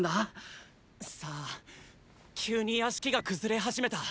さあ急に屋敷が崩れ始めた。